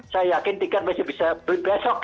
saya yakin tiket masih bisa beli besok ya